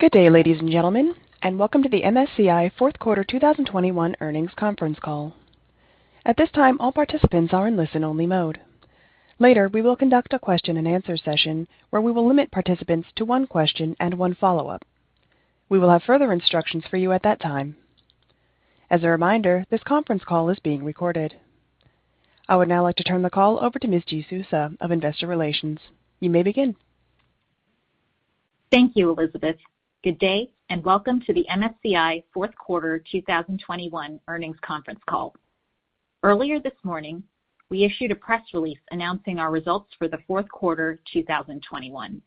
Good day, ladies and gentlemen, and welcome to the MSCI Fourth Quarter 2021 Earnings Conference Call. At this time, all participants are in listen-only mode. Later, we will conduct a question and answer session where we will limit participants to one question and one follow-up. We will have further instructions for you at that time. As a reminder, this conference call is being recorded. I would now like to turn the call over to Ms. Jisoo Suh of Investor Relations. You may begin. Thank you, Elizabeth. Good day, and welcome to the MSCI Fourth Quarter 2021 Earnings Conference Call. Earlier this morning, we issued a press release announcing our results for the fourth quarter 2021.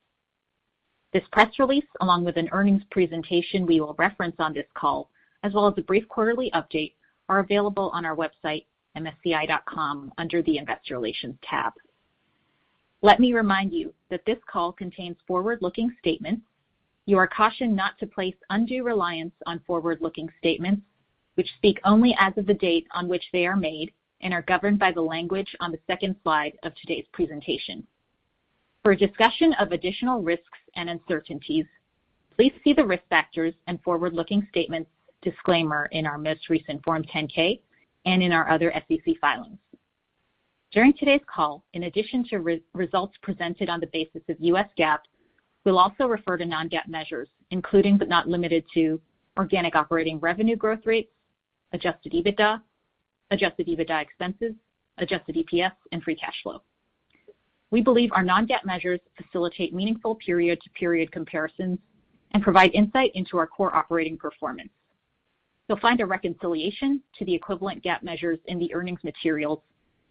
This press release, along with an earnings presentation we will reference on this call, as well as a brief quarterly update, are available on our website, msci.com, under the Investor Relations tab. Let me remind you that this call contains forward-looking statements. You are cautioned not to place undue reliance on forward-looking statements which speak only as of the date on which they are made and are governed by the language on the second slide of today's presentation. For a discussion of additional risks and uncertainties, please see the Risk Factors and Forward-Looking Statements disclaimer in our most recent Form 10-K and in our other SEC filings. During today's call, in addition to results presented on the basis of U.S. GAAP, we'll also refer to non-GAAP measures, including, but not limited to organic operating revenue growth rates, adjusted EBITDA, adjusted EBITDA expenses, adjusted EPS, and free cash flow. We believe our non-GAAP measures facilitate meaningful period-to-period comparisons and provide insight into our core operating performance. You'll find a reconciliation to the equivalent GAAP measures in the earnings materials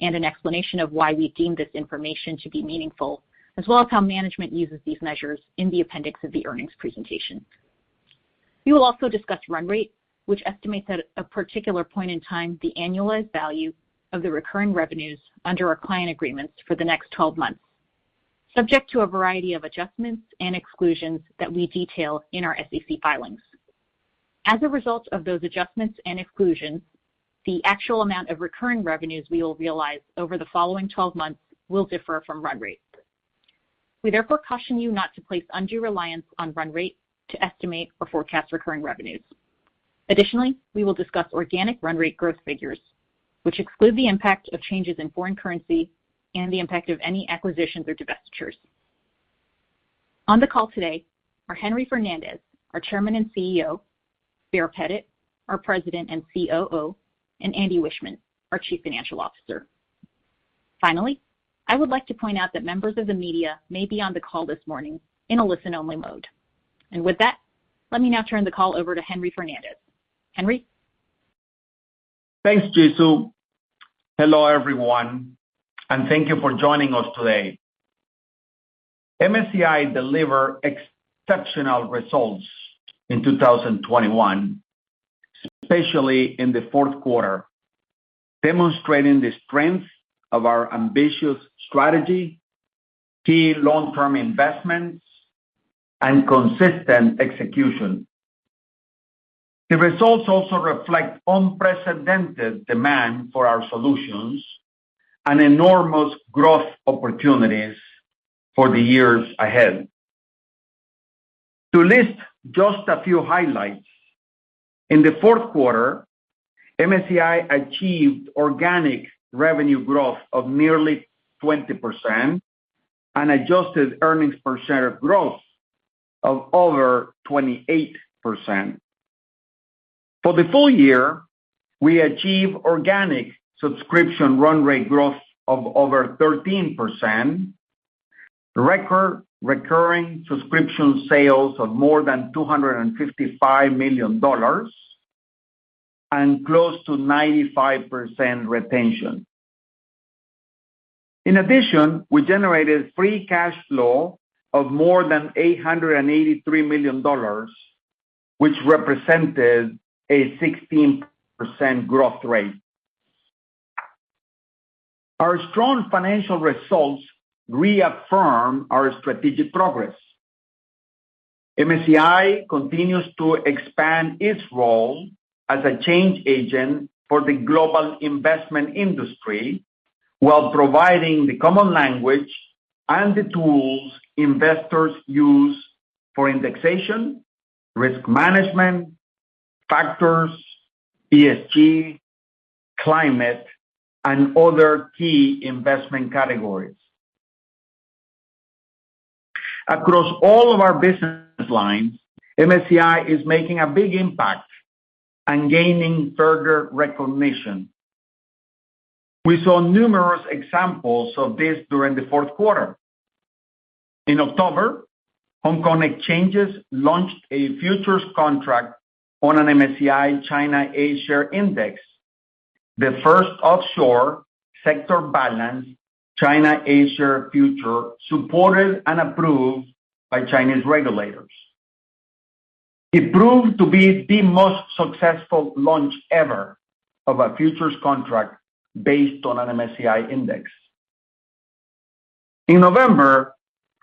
and an explanation of why we deem this information to be meaningful, as well as how management uses these measures in the appendix of the earnings presentation. We will also discuss run rate, which estimates at a particular point in time the annualized value of the recurring revenues under our client agreements for the next twelve months, subject to a variety of adjustments and exclusions that we detail in our SEC filings. As a result of those adjustments and exclusions, the actual amount of recurring revenues we will realize over the following 12 months will differ from run rate. We therefore caution you not to place undue reliance on run rate to estimate or forecast recurring revenues. Additionally, we will discuss organic run rate growth figures, which exclude the impact of changes in foreign currency and the impact of any acquisitions or divestitures. On the call today are Henry Fernandez, our Chairman and CEO, Baer Pettit, our President and COO, and Andy Wiechmann, our Chief Financial Officer. Finally, I would like to point out that members of the media may be on the call this morning in a listen-only mode. With that, let me now turn the call over to Henry Fernandez. Henry. Thanks, Jisoo. Hello, everyone, and thank you for joining us today. MSCI delivered exceptional results in 2021, especially in the fourth quarter, demonstrating the strength of our ambitious strategy, key long-term investments, and consistent execution. The results also reflect unprecedented demand for our solutions and enormous growth opportunities for the years ahead. To list just a few highlights, in the fourth quarter, MSCI achieved organic revenue growth of nearly 20% and adjusted earnings per share growth of over 28%. For the full year, we achieved organic subscription run rate growth of over 13%, record recurring subscription sales of more than $255 million, and close to 95% retention. In addition, we generated free cash flow of more than $883 million, which represented a 16% growth rate. Our strong financial results reaffirm our strategic progress. MSCI continues to expand its role as a change agent for the global investment industry while providing the common language and the tools investors use for indexation, risk management, factors, ESG, climate, and other key investment categories. Across all of our business lines, MSCI is making a big impact and gaining further recognition. We saw numerous examples of this during the fourth quarter. In October, Hong Kong Exchanges launched a futures contract on an MSCI China A-Share Index, the first offshore sector-balanced China A-Share future supported and approved by Chinese regulators. It proved to be the most successful launch ever of a futures contract based on an MSCI index. In November,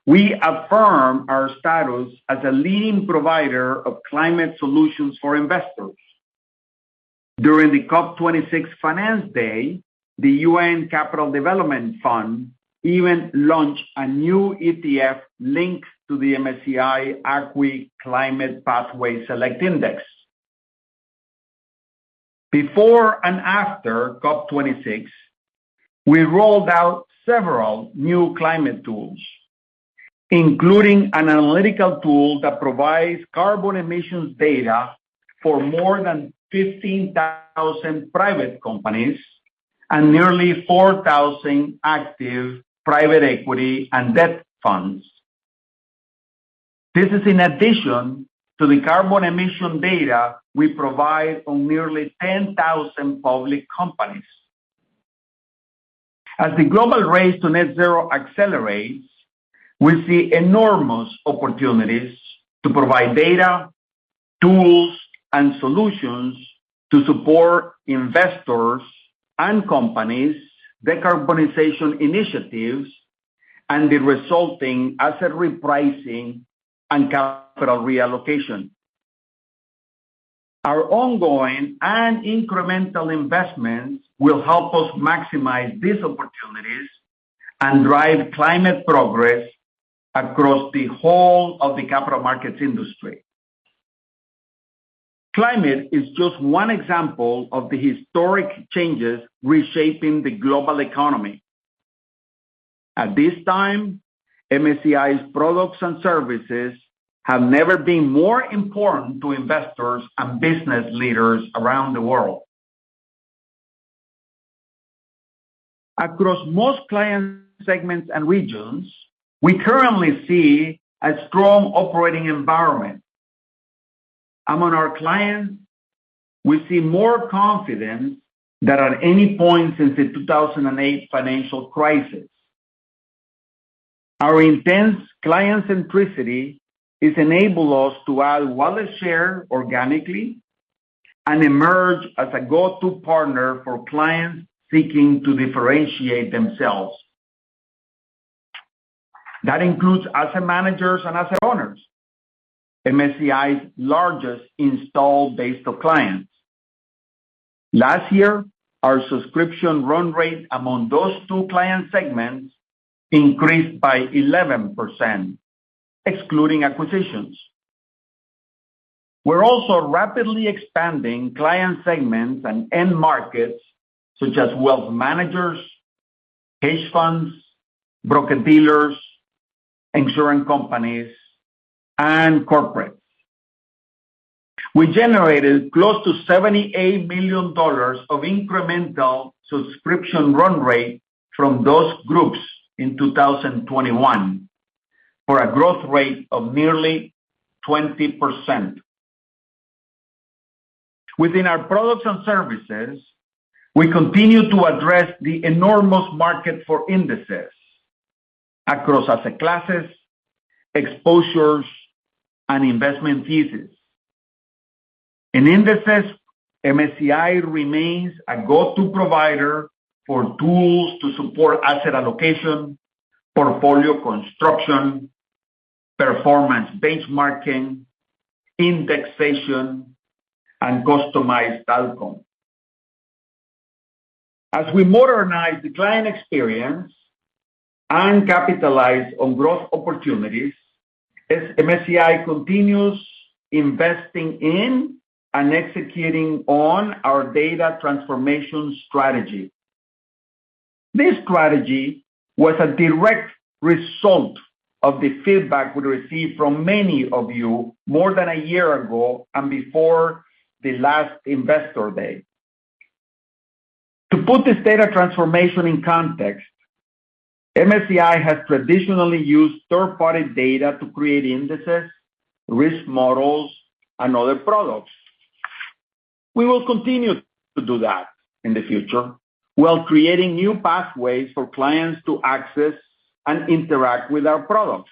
we affirmed our status as a leading provider of climate solutions for investors. During the COP26 Finance Day, the UN Capital Development Fund even launched a new ETF linked to the MSCI ACWI Climate Pathway Select Index. Before and after COP26, we rolled out several new climate tools, including an analytical tool that provides carbon emissions data for more than 15,000 private companies and nearly 4,000 active private equity and debt funds. This is in addition to the carbon emission data we provide on nearly 10,000 public companies. As the global race to net zero accelerates, we see enormous opportunities to provide data, tools, and solutions to support investors' and companies' decarbonization initiatives and the resulting asset repricing and capital reallocation. Our ongoing and incremental investments will help us maximize these opportunities and drive climate progress across the whole of the capital markets industry. Climate is just one example of the historic changes reshaping the global economy. At this time, MSCI's products and services have never been more important to investors and business leaders around the world. Across most client segments and regions, we currently see a strong operating environment. Among our clients, we see more confidence than at any point since the 2008 financial crisis. Our intense client centricity has enabled us to add wallet share organically and emerge as a go-to partner for clients seeking to differentiate themselves. That includes asset managers and asset owners, MSCI's largest installed base of clients. Last year, our subscription run rate among those two client segments increased by 11%, excluding acquisitions. We're also rapidly expanding client segments and end markets such as wealth managers, hedge funds, broker-dealers, insurance companies, and corporates. We generated close to $78 million of incremental subscription run rate from those groups in 2021, for a growth rate of nearly 20%. Within our products and services, we continue to address the enormous market for indices across asset classes, exposures, and investment theses. In indices, MSCI remains a go-to provider for tools to support asset allocation, portfolio construction, performance benchmarking, indexation, and customized outcomes. As we modernize the client experience and capitalize on growth opportunities as MSCI continues investing in and executing on our data transformation strategy. This strategy was a direct result of the feedback we received from many of you more than a year ago and before the last Investor Day. To put this data transformation in context, MSCI has traditionally used third-party data to create indices, risk models, and other products. We will continue to do that in the future while creating new pathways for clients to access and interact with our products.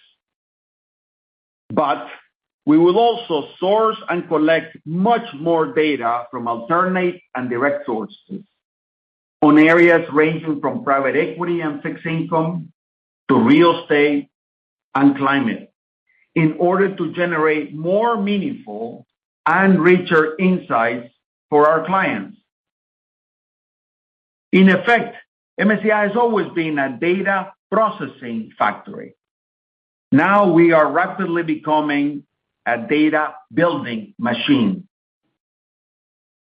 We will also source and collect much more data from alternate and direct sources on areas ranging from private equity and fixed income to real estate and climate in order to generate more meaningful and richer insights for our clients. In effect, MSCI has always been a data processing factory. Now we are rapidly becoming a data building machine.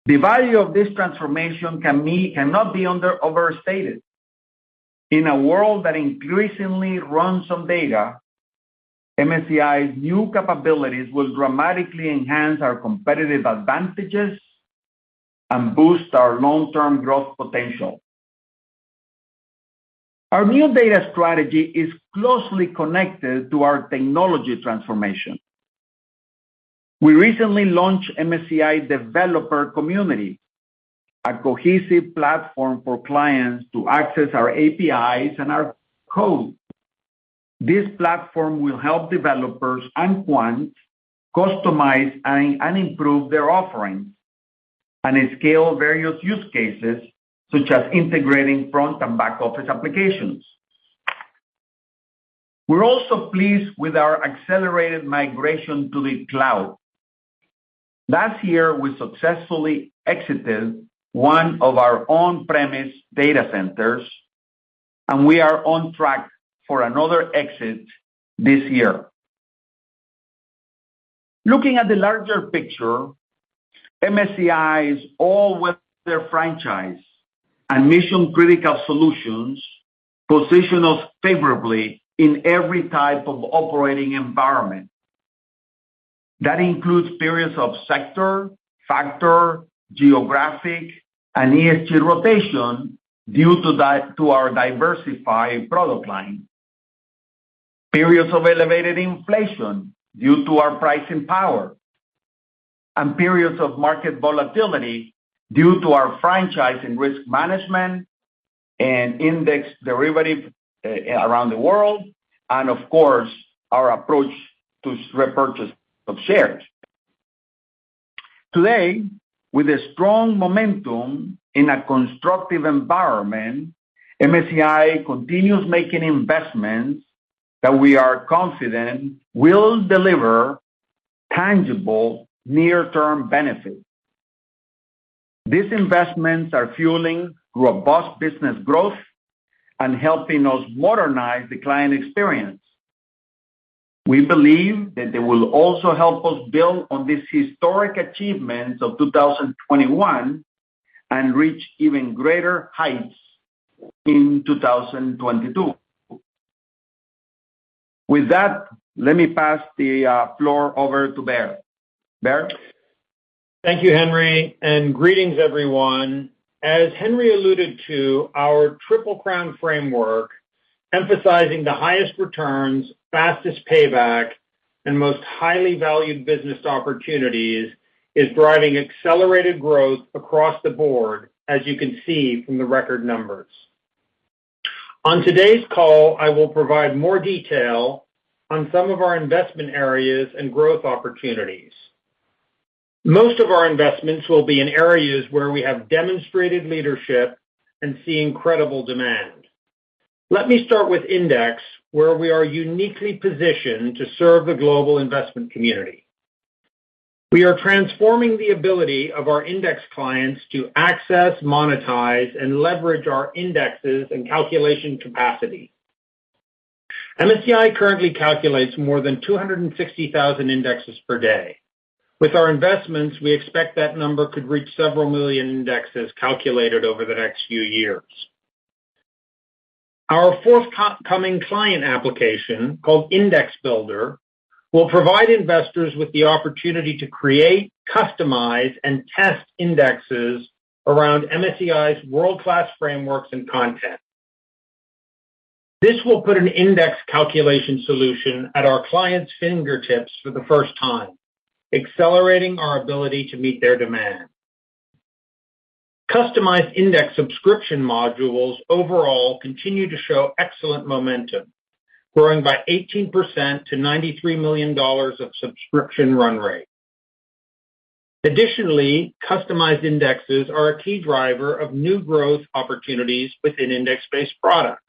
The value of this transformation cannot be understated. In a world that increasingly runs on data, MSCI's new capabilities will dramatically enhance our competitive advantages and boost our long-term growth potential. Our new data strategy is closely connected to our technology transformation. We recently launched MSCI Developer Community, a cohesive platform for clients to access our APIs and our code. This platform will help developers and quants customize and improve their offerings and scale various use cases, such as integrating front and back office applications. We're also pleased with our accelerated migration to the cloud. Last year, we successfully exited one of our on-premise data centers, and we are on track for another exit this year. Looking at the larger picture, MSCI's all-weather franchise and mission-critical solutions position us favorably in every type of operating environment. That includes periods of sector, factor, geographic, and ESG rotation due to our diversified product line. Periods of elevated inflation due to our pricing power, and periods of market volatility due to our franchise and risk management and index derivative around the world, and of course, our approach to repurchase of shares. Today, with a strong momentum in a constructive environment, MSCI continues making investments that we are confident will deliver tangible near-term benefits. These investments are fueling robust business growth and helping us modernize the client experience. We believe that they will also help us build on this historic achievements of 2021 and reach even greater heights in 2022. With that, let me pass the floor over to Baer. Baer? Thank you, Henry, and greetings, everyone. As Henry alluded to, our Triple Crown framework, emphasizing the highest returns, fastest payback, and most highly valued business opportunities, is driving accelerated growth across the board, as you can see from the record numbers. On today's call, I will provide more detail on some of our investment areas and growth opportunities. Most of our investments will be in areas where we have demonstrated leadership and see incredible demand. Let me start with Index, where we are uniquely positioned to serve the global investment community. We are transforming the ability of our index clients to access, monetize, and leverage our indexes and calculation capacity. MSCI currently calculates more than 260,000 indexes per day. With our investments, we expect that number could reach several million indexes calculated over the next few years. Our forthcoming client application, called Index Builder, will provide investors with the opportunity to create, customize, and test indexes around MSCI's world-class frameworks and content. This will put an index calculation solution at our clients' fingertips for the first time, accelerating our ability to meet their demand. Customized index subscription modules overall continue to show excellent momentum, growing by 18% to $93 million of subscription run rate. Additionally, customized indexes are a key driver of new growth opportunities within index-based products.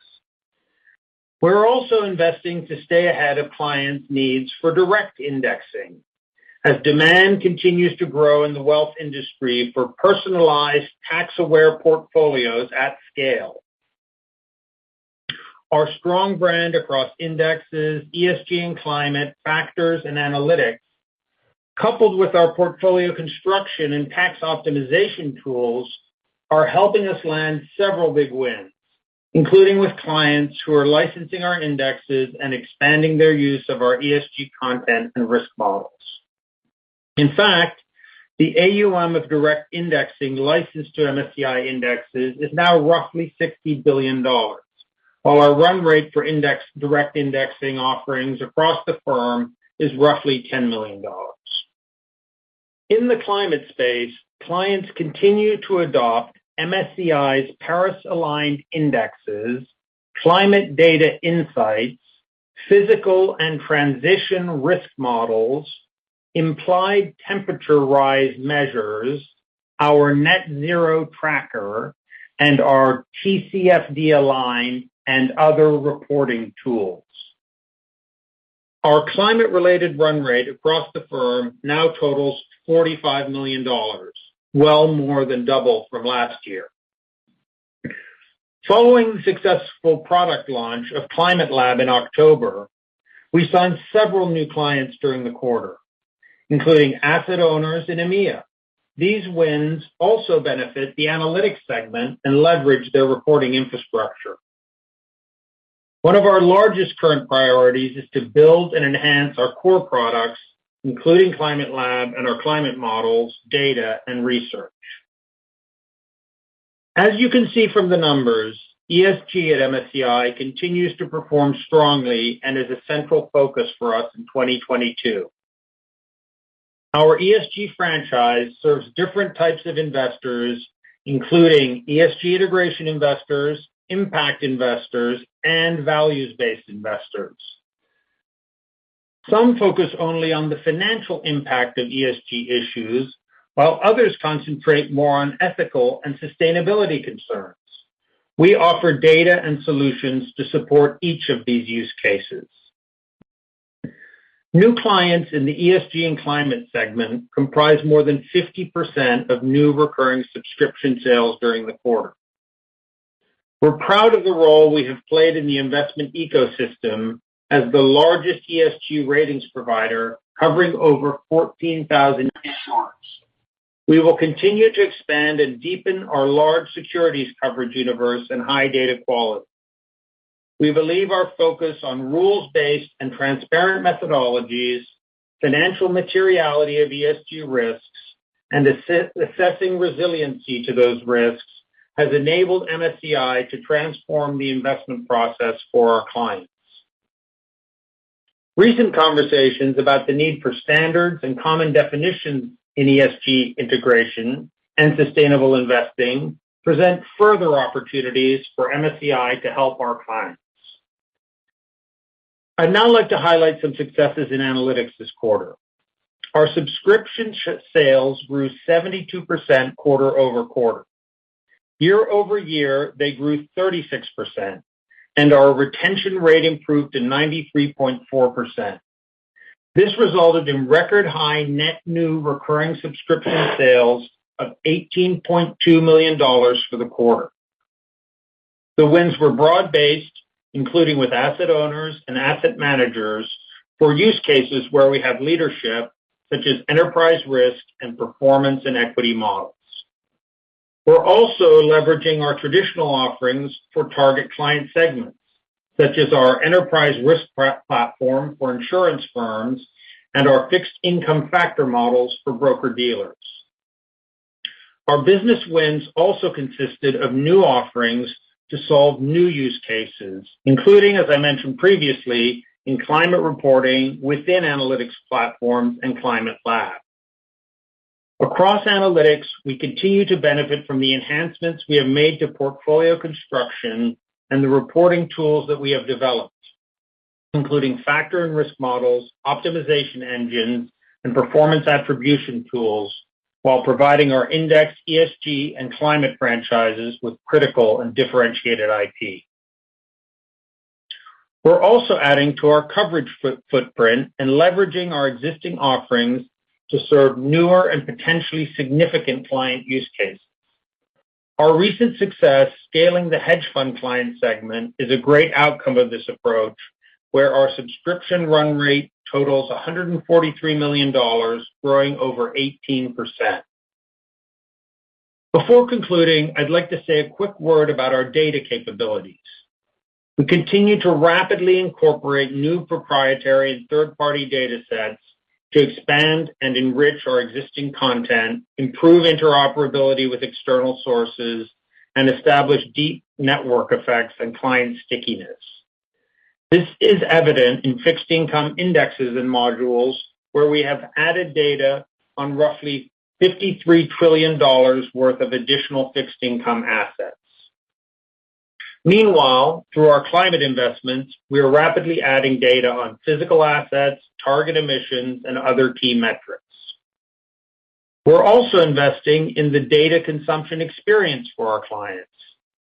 We're also investing to stay ahead of clients' needs for direct indexing as demand continues to grow in the wealth industry for personalized tax-aware portfolios at scale. Our strong brand across indexes, ESG and climate, factors and analytics, coupled with our portfolio construction and tax optimization tools, are helping us land several big wins, including with clients who are licensing our indexes and expanding their use of our ESG content and risk models. In fact, the AUM of direct indexing licensed to MSCI indexes is now roughly $60 billion, while our run rate for index direct indexing offerings across the firm is roughly $10 million. In the climate space, clients continue to adopt MSCI's Paris-Aligned Indexes, climate data insights, physical and transition risk models, Implied Temperature Rise measures, our Net-Zero Tracker, and our TCFD-aligned and other reporting tools. Our climate-related run rate across the firm now totals $45 million, well more than double from last year. Following the successful product launch of Climate Lab in October, we signed several new clients during the quarter, including asset owners in EMEA. These wins also benefit the analytics segment and leverage their reporting infrastructure. One of our largest current priorities is to build and enhance our core products, including Climate Lab and our climate models, data, and research. As you can see from the numbers, ESG at MSCI continues to perform strongly and is a central focus for us in 2022. Our ESG franchise serves different types of investors, including ESG integration investors, impact investors, and values-based investors. Some focus only on the financial impact of ESG issues, while others concentrate more on ethical and sustainability concerns. We offer data and solutions to support each of these use cases. New clients in the ESG and climate segment comprise more than 50% of new recurring subscription sales during the quarter. We're proud of the role we have played in the investment ecosystem as the largest ESG Ratings provider, covering over 14,000 issuers. We will continue to expand and deepen our ESG securities coverage universe and high data quality. We believe our focus on rules-based and transparent methodologies, financial materiality of ESG risks, and assessing resiliency to those risks has enabled MSCI to transform the investment process for our clients. Recent conversations about the need for standards and common definitions in ESG integration and sustainable investing present further opportunities for MSCI to help our clients. I'd now like to highlight some successes in analytics this quarter. Our subscription sales grew 72% quarter-over-quarter. Year over year, they grew 36%, and our retention rate improved to 93.4%. This resulted in record high net new recurring subscription sales of $18.2 million for the quarter. The wins were broad-based, including with asset owners and asset managers for use cases where we have leadership, such as enterprise risk and performance in equity models. We're also leveraging our traditional offerings for target client segments, such as our enterprise risk platform for insurance firms and our fixed income factor models for broker-dealers. Our business wins also consisted of new offerings to solve new use cases, including, as I mentioned previously, in climate reporting within analytics platforms and Climate Lab. Across analytics, we continue to benefit from the enhancements we have made to portfolio construction and the reporting tools that we have developed, including factor and risk models, optimization engines, and performance attribution tools, while providing our index ESG and climate franchises with critical and differentiated IP. We're also adding to our coverage footprint and leveraging our existing offerings to serve newer and potentially significant client use cases. Our recent success scaling the hedge fund client segment is a great outcome of this approach, where our subscription run rate totals $143 million, growing over 18%. Before concluding, I'd like to say a quick word about our data capabilities. We continue to rapidly incorporate new proprietary third-party data sets to expand and enrich our existing content, improve interoperability with external sources, and establish deep network effects and client stickiness. This is evident in fixed income indexes and modules, where we have added data on roughly $53 trillion worth of additional fixed income assets. Meanwhile, through our climate investments, we are rapidly adding data on physical assets, target emissions, and other key metrics. We're also investing in the data consumption experience for our clients.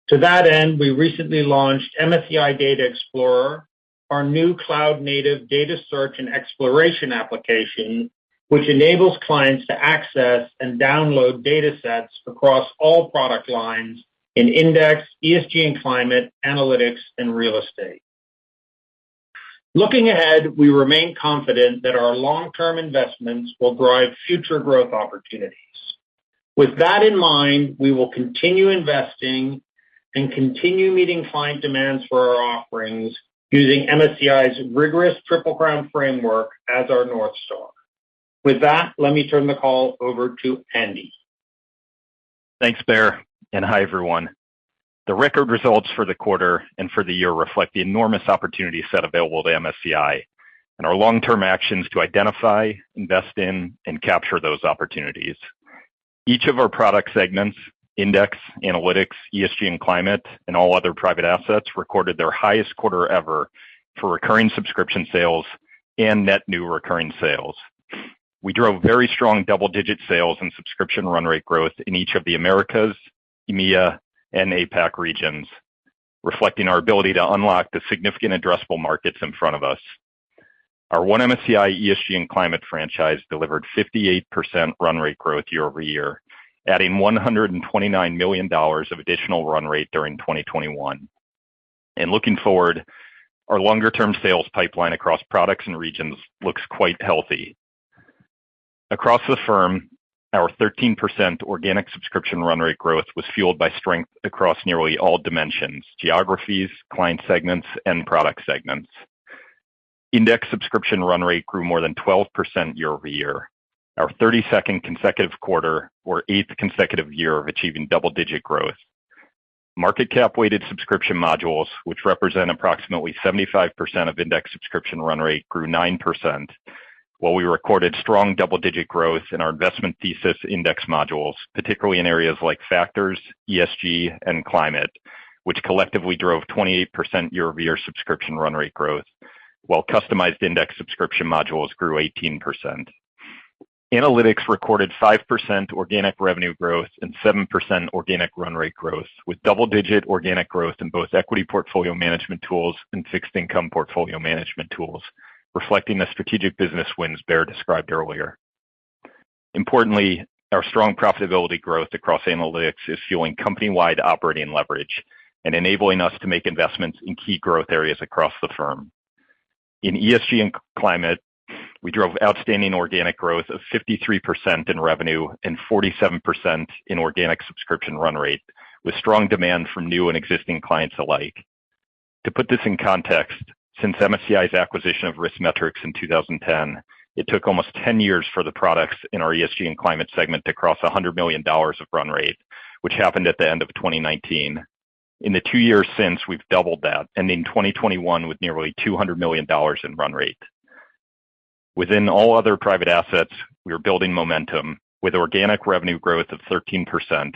To that end, we recently launched MSCI Data Explorer, our new cloud-native data search and exploration application, which enables clients to access and download data sets across all product lines in index, ESG and climate, analytics, and real estate. Looking ahead, we remain confident that our long-term investments will drive future growth opportunities. With that in mind, we will continue investing and continue meeting client demands for our offerings using MSCI's rigorous Triple Crown framework as our north star. With that, let me turn the call over to Andy. Thanks, Baer, and hi, everyone. The record results for the quarter and for the year reflect the enormous opportunity set available to MSCI and our long-term actions to identify, invest in, and capture those opportunities. Each of our product segments, Index, Analytics, ESG and Climate, and All Other – Private Assets, recorded their highest quarter ever for recurring subscription sales and net new recurring sales. We drove very strong double-digit sales and subscription run rate growth in each of the Americas, EMEA, and APAC regions, reflecting our ability to unlock the significant addressable markets in front of us. Our one MSCI ESG and Climate franchise delivered 58% run rate growth year-over-year, adding $129 million of additional run rate during 2021. Looking forward, our longer-term sales pipeline across products and regions looks quite healthy. Across the firm, our 13% organic subscription run rate growth was fueled by strength across nearly all dimensions, geographies, client segments, and product segments. Index subscription run rate grew more than 12% year-over-year, our 32nd consecutive quarter or 8th consecutive year of achieving double-digit growth. Market cap-weighted subscription modules, which represent approximately 75% of index subscription run rate, grew 9%. While we recorded strong double-digit growth in our investment thesis index modules, particularly in areas like factors, ESG, and climate, which collectively drove 28% year-over-year subscription run rate growth, while customized index subscription modules grew 18%. Analytics recorded 5% organic revenue growth and 7% organic run rate growth, with double-digit organic growth in both equity portfolio management tools and fixed income portfolio management tools, reflecting the strategic business wins Baer described earlier. Importantly, our strong profitability growth across analytics is fueling company-wide operating leverage and enabling us to make investments in key growth areas across the firm. In ESG and climate, we drove outstanding organic growth of 53% in revenue and 47% in organic subscription run rate, with strong demand from new and existing clients alike. To put this in context, since MSCI's acquisition of RiskMetrics in 2010, it took almost 10 years for the products in our ESG and Climate segment to cross $100 million of run rate, which happened at the end of 2019. In the two years since, we've doubled that, ending 2021 with nearly $200 million in run rate. Within all other private assets, we are building momentum with organic revenue growth of 13%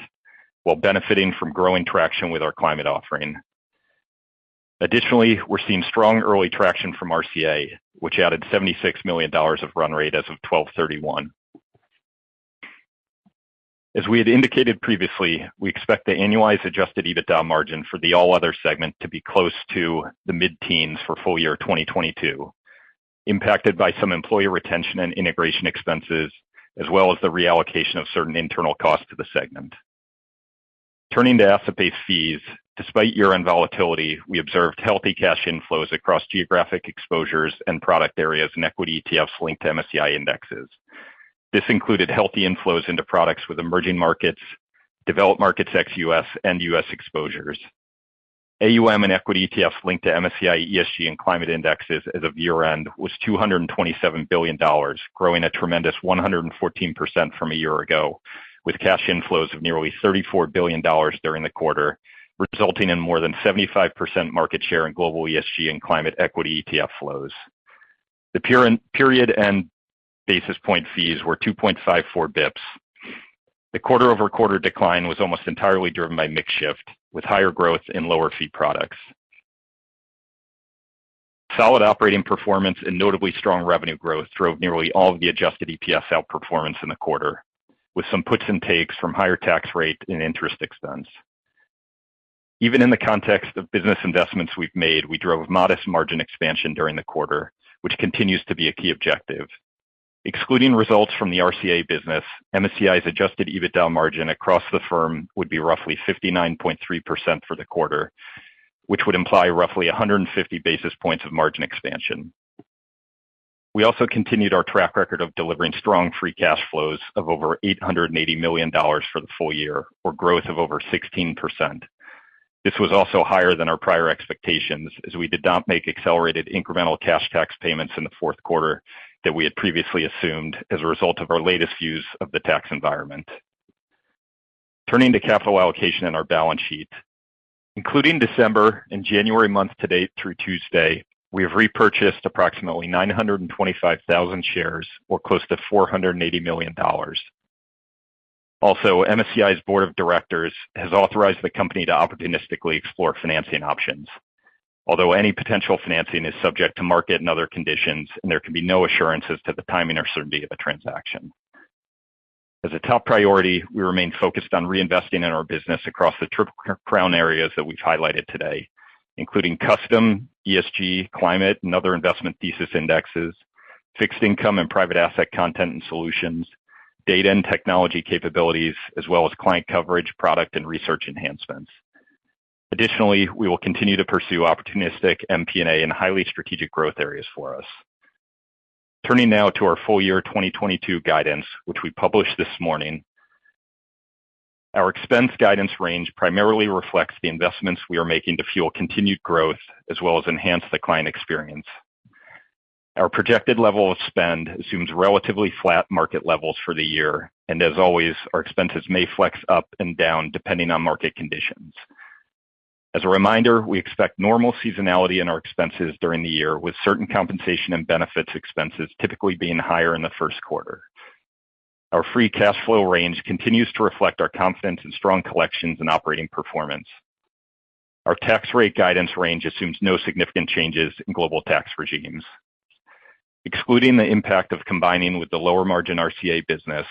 while benefiting from growing traction with our climate offering. Additionally, we're seeing strong early traction from RCA, which added $76 million of run rate as of 12/31. As we had indicated previously, we expect the annualized adjusted EBITDA margin for the all other segment to be close to the mid-teens for full year 2022, impacted by some employee retention and integration expenses, as well as the reallocation of certain internal costs to the segment. Turning to asset-based fees. Despite year-end volatility, we observed healthy cash inflows across geographic exposures and product areas in equity ETFs linked to MSCI indexes. This included healthy inflows into products with emerging markets, developed markets ex-U.S., and U.S. exposures. AUM and equity ETFs linked to MSCI ESG and climate indexes as of year-end was $227 billion, growing a tremendous 114% from a year ago, with cash inflows of nearly $34 billion during the quarter, resulting in more than 75% market share in global ESG and climate equity ETF flows. The period end basis point fees were 2.54 bips. The quarter-over-quarter decline was almost entirely driven by mix shift, with higher growth in lower fee products. Solid operating performance and notably strong revenue growth drove nearly all of the adjusted EPS outperformance in the quarter, with some puts and takes from higher tax rate and interest expense. Even in the context of business investments we've made, we drove a modest margin expansion during the quarter, which continues to be a key objective. Excluding results from the RCA business, MSCI's adjusted EBITDA margin across the firm would be roughly 59.3% for the quarter, which would imply roughly 150 basis points of margin expansion. We also continued our track record of delivering strong free cash flows of over $880 million for the full year, or growth of over 16%. This was also higher than our prior expectations, as we did not make accelerated incremental cash tax payments in the fourth quarter that we had previously assumed as a result of our latest views of the tax environment. Turning to capital allocation and our balance sheet. Including December and January month to date through Tuesday, we have repurchased approximately 925,000 shares or close to $480 million. MSCI's board of directors has authorized the company to opportunistically explore financing options. Although any potential financing is subject to market and other conditions and there can be no assurances as to the timing or certainty of a transaction. As a top priority, we remain focused on reinvesting in our business across the Triple Crown areas that we've highlighted today, including custom ESG, climate and other investment thesis indexes, fixed income and private asset content and solutions, data and technology capabilities, as well as client coverage, product and research enhancements. Additionally, we will continue to pursue opportunistic M&A in highly strategic growth areas for us. Turning now to our full year 2022 guidance, which we published this morning. Our expense guidance range primarily reflects the investments we are making to fuel continued growth, as well as enhance the client experience. Our projected level of spend assumes relatively flat market levels for the year, and as always, our expenses may flex up and down depending on market conditions. As a reminder, we expect normal seasonality in our expenses during the year, with certain compensation and benefits expenses typically being higher in the first quarter. Our free cash flow range continues to reflect our confidence in strong collections and operating performance. Our tax rate guidance range assumes no significant changes in global tax regimes. Excluding the impact of combining with the lower margin RCA business,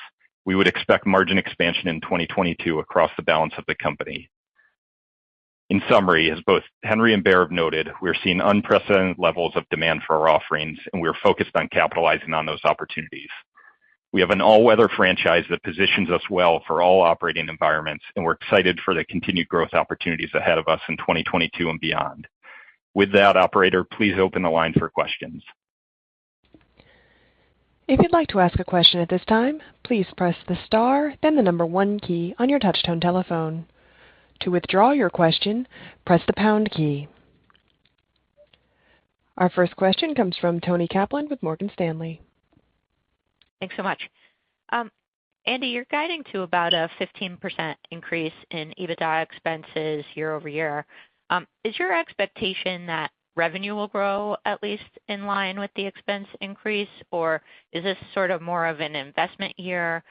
we would expect margin expansion in 2022 across the balance of the company. In summary, as both Henry and Baer have noted, we are seeing unprecedented levels of demand for our offerings, and we are focused on capitalizing on those opportunities. We have an all-weather franchise that positions us well for all operating environments, and we're excited for the continued growth opportunities ahead of us in 2022 and beyond. With that, operator, please open the line for questions. If you'd like to ask a question at this time, please press the star then the number one key on your touchtone telephone. To withdraw your question, press the pound key. Our first question comes from Toni Kaplan with Morgan Stanley. Thanks so much. Andy, you're guiding to about a 15% increase in EBITDA expenses year-over-year. Is your expectation that revenue will grow at least in line with the expense increase, or is this sort of more of an investment year?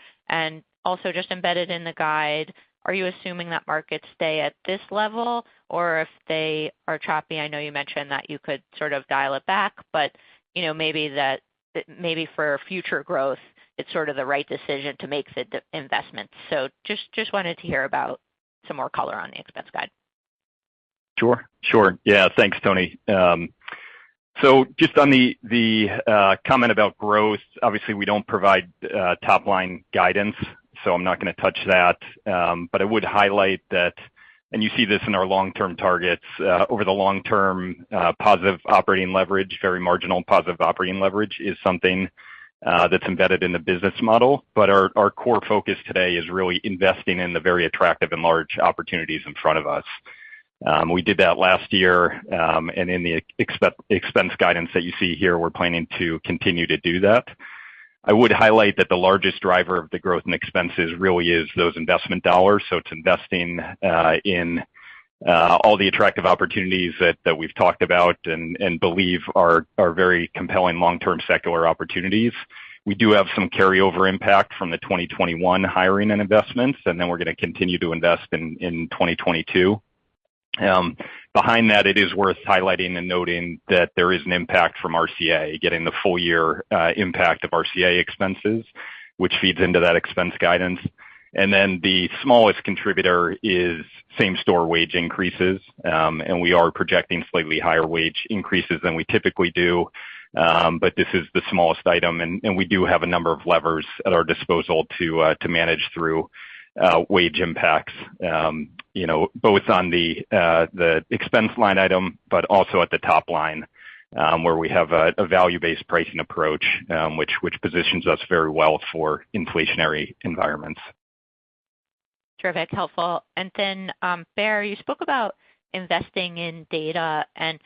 Also just embedded in the guide, are you assuming that markets stay at this level? Or if they are choppy, I know you mentioned that you could sort of dial it back, but you know, maybe for future growth, it's sort of the right decision to make the investments. Just wanted to hear about some more color on the expense guide. Sure. Yeah. Thanks, Toni. Just on the comment about growth, obviously we don't provide top-line guidance, so I'm not gonna touch that. I would highlight that, and you see this in our long-term targets, over the long term, positive operating leverage, very marginal positive operating leverage is something that's embedded in the business model. Our core focus today is really investing in the very attractive and large opportunities in front of us. We did that last year, in the expense guidance that you see here, we're planning to continue to do that. I would highlight that the largest driver of the growth and expenses really is those investment dollars. It's investing in all the attractive opportunities that we've talked about and believe are very compelling long-term secular opportunities. We do have some carryover impact from the 2021 hiring and investments, and then we're gonna continue to invest in 2022. Behind that, it is worth highlighting and noting that there is an impact from RCA getting the full year impact of RCA expenses, which feeds into that expense guidance. Then the smallest contributor is same-store wage increases. We are projecting slightly higher wage increases than we typically do. This is the smallest item, and we do have a number of levers at our disposal to manage through wage impacts, you know, both on the expense line item, but also at the top line, where we have a value-based pricing approach, which positions us very well for inflationary environments. Sure. That's helpful. Then, Baer, you spoke about investing in data, and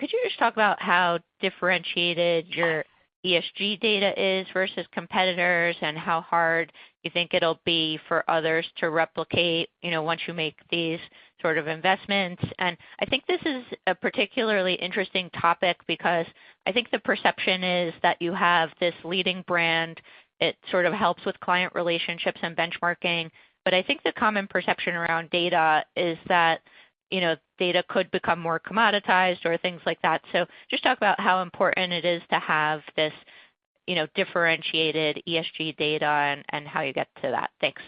could you just talk about how differentiated your ESG data is versus competitors and how hard you think it'll be for others to replicate, you know, once you make these sort of investments? I think this is a particularly interesting topic because I think the perception is that you have this leading brand. It sort of helps with client relationships and benchmarking. I think the common perception around data is that, you know, data could become more commoditized or things like that. Just talk about how important it is to have this, you know, differentiated ESG data and how you get to that. Thanks.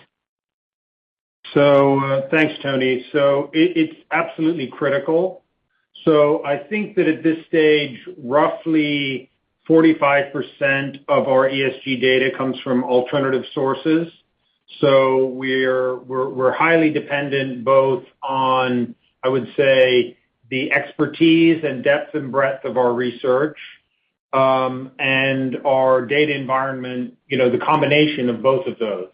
Thanks, Toni. It's absolutely critical. I think that at this stage, roughly 45% of our ESG data comes from alternative sources. We're highly dependent both on, I would say, the expertise and depth and breadth of our research, and our data environment, you know, the combination of both of those.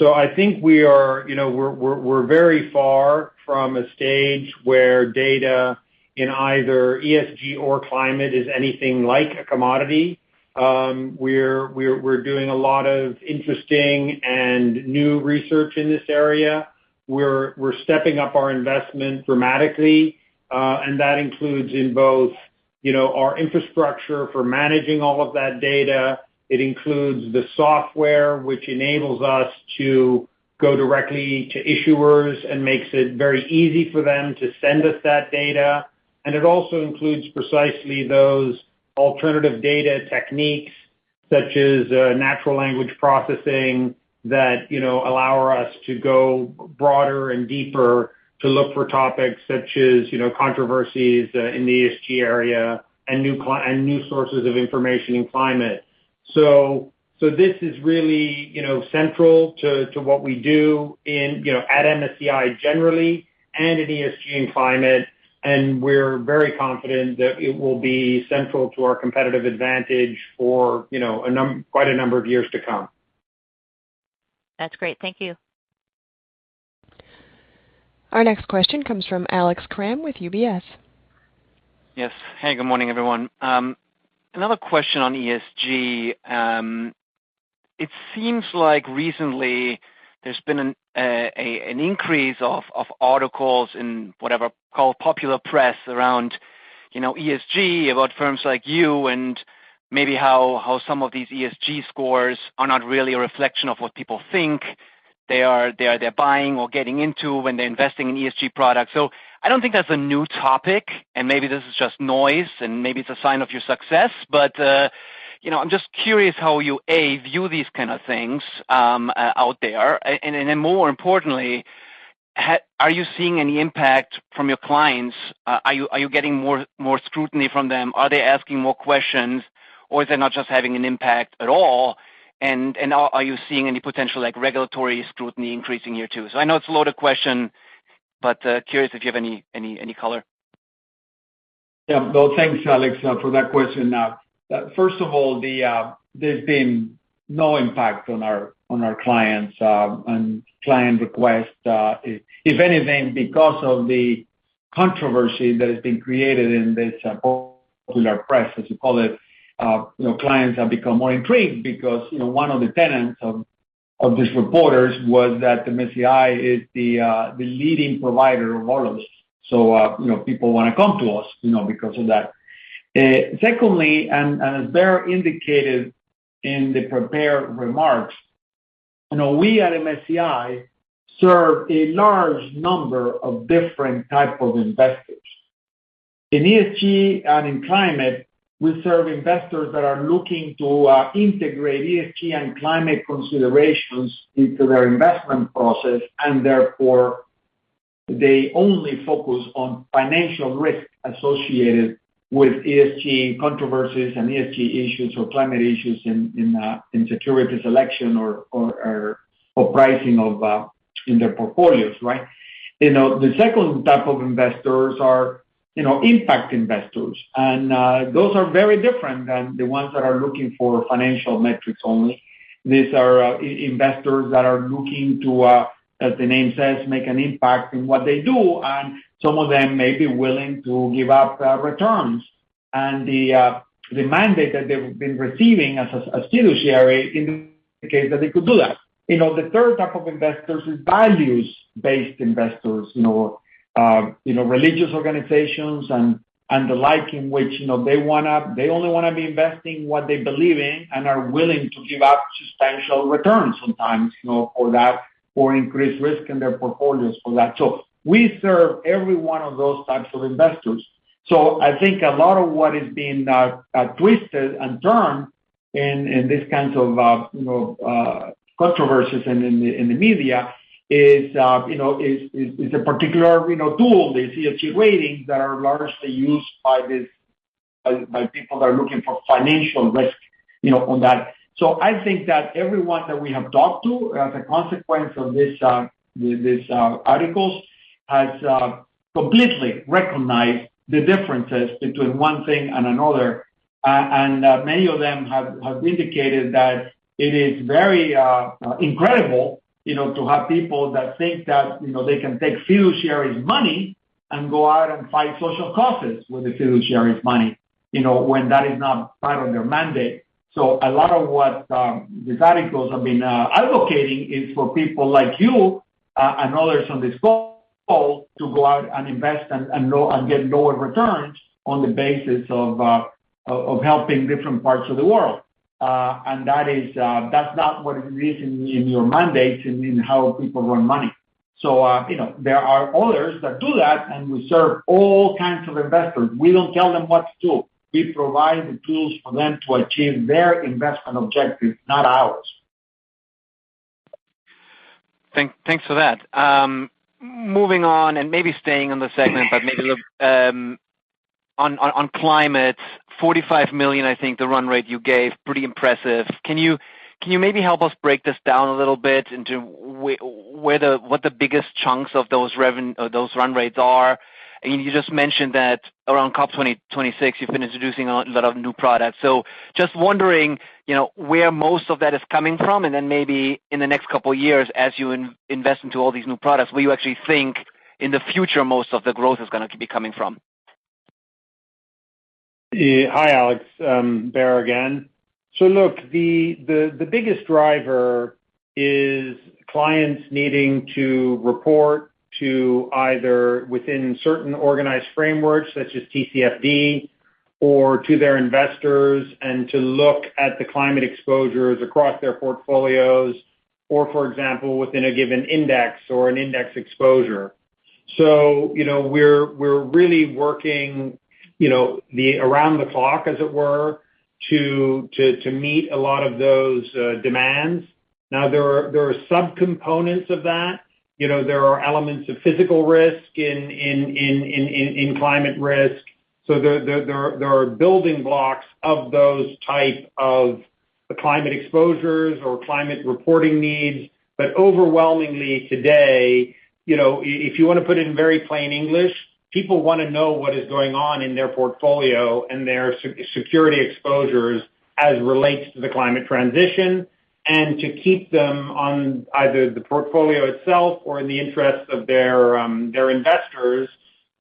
I think we are, you know, we're very far from a stage where data in either ESG or climate is anything like a commodity. We're doing a lot of interesting and new research in this area. We're stepping up our investment dramatically, and that includes in both, you know, our infrastructure for managing all of that data. It includes the software which enables us to go directly to issuers and makes it very easy for them to send us that data. It also includes precisely those alternative data techniques such as natural language processing that, you know, allow us to go broader and deeper to look for topics such as, you know, controversies in the ESG area and new sources of information in climate. So this is really, you know, central to what we do in, you know, at MSCI generally and in ESG and climate, and we're very confident that it will be central to our competitive advantage for, you know, quite a number of years to come. That's great. Thank you. Our next question comes from Alex Kramm with UBS. Yes. Hey, good morning, everyone. Another question on ESG. It seems like recently there's been an increase of articles in whatever, call it popular press around, you know, ESG, about firms like you and maybe how some of these ESG scores are not really a reflection of what people think they are, they're buying or getting into when they're investing in ESG products. I don't think that's a new topic, and maybe this is just noise, and maybe it's a sign of your success. You know, I'm just curious how you view these kind of things out there. More importantly, are you seeing any impact from your clients? Are you getting more scrutiny from them? Are they asking more questions, or is it not just having an impact at all? Are you seeing any potential, like, regulatory scrutiny increasing here too? I know it's a loaded question, but curious if you have any color. Yeah. Well, thanks, Alex, for that question. First of all, there's been no impact on our clients and client requests. If anything, because of the... Controversy that has been created in this popular press, as you call it, you know, clients have become more intrigued because, you know, one of the tenets of these reporters was that MSCI is the leading provider of all of this. You know, people wanna come to us, you know, because of that. Secondly, and as Bear indicated in the prepared remarks, you know, we at MSCI serve a large number of different type of investors. In ESG and in climate, we serve investors that are looking to integrate ESG and climate considerations into their investment process, and therefore they only focus on financial risk associated with ESG controversies and ESG issues or climate issues in security selection or pricing of in their portfolios, right? You know, the second type of investors are, you know, impact investors. Those are very different than the ones that are looking for financial metrics only. These are impact investors that are looking to, as the name says, make an impact in what they do, and some of them may be willing to give up returns. The mandate that they've been receiving as a fiduciary indicates that they could do that. You know, the third type of investors is values-based investors. You know, religious organizations and the like, in which, you know, they only wanna be investing what they believe in and are willing to give up substantial returns sometimes, you know, for that, for increased risk in their portfolios for that. We serve every one of those types of investors. I think a lot of what is being twisted and turned in these kinds of you know controversies in the media is you know a particular you know tool, the ESG Ratings that are largely used by people that are looking for financial risk you know on that. I think that everyone that we have talked to the consequence of this these articles has completely recognized the differences between one thing and another. Many of them have indicated that it is very incredible you know to have people that think that you know they can take fiduciaries' money and go out and fight social causes with the fiduciaries' money you know when that is not part of their mandate. A lot of what these articles have been advocating is for people like you and others on this call to go out and invest and get lower returns on the basis of helping different parts of the world. That's not what is in your mandate in how people run money. You know, there are others that do that, and we serve all kinds of investors. We don't tell them what to do. We provide the tools for them to achieve their investment objectives, not ours. Thanks for that. Moving on, maybe staying on the segment, but maybe look on climate, $45 million, I think the run rate you gave, pretty impressive. Can you maybe help us break this down a little bit into where what the biggest chunks of those run rates are? You just mentioned that around COP26, you've been introducing a lot of new products. Just wondering, you know, where most of that is coming from, and then maybe in the next couple years as you invest into all these new products, where you actually think in the future most of the growth is gonna be coming from. Yeah. Hi, Alex Kramm. Baer Pettit again. Look, the biggest driver is clients needing to report to either within certain organized frameworks, such as TCFD, or to their investors, and to look at the climate exposures across their portfolios or, for example, within a given index or an index exposure. You know, we're really working, you know, around the clock, as it were, to meet a lot of those demands. Now, there are subcomponents of that. You know, there are elements of physical risk in climate risk. There are building blocks of those type of climate exposures or climate reporting needs. Overwhelmingly today, you know, if you wanna put it in very plain English, people wanna know what is going on in their portfolio and their security exposures as it relates to the climate transition and to keep them on either the portfolio itself or in the interest of their their investors,